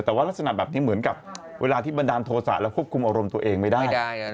แต่ว่ารักษณะแบบนี้เหมือนกับเวลาที่บันดาลโทษะแล้วควบคุมอารมณ์ตัวเองไม่ได้